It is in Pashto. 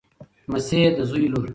لمسۍ د زوی لور.